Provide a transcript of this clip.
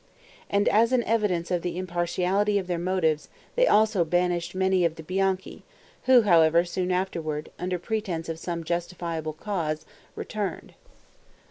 And as an evidence of the impartiality of their motives, they also banished many of the Bianchi, who, however, soon afterward, under pretense of some justifiable cause, returned.